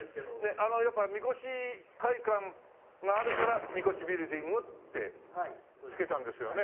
あのやっぱりみこし会館があるから「みこしビルディング」って付けたんですよね？